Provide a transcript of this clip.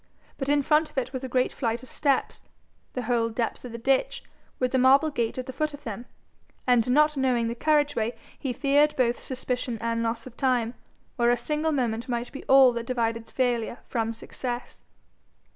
But in front of it was a great flight of steps, the whole depth of the ditch, with the marble gate at the foot of them; and not knowing the carriageway, he feared both suspicion and loss of time, where a single moment might be all that divided failure from success.